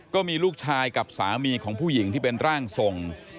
ก็มีลูกชายกับสามีของผู้หญิงที่เป็นร่างทรง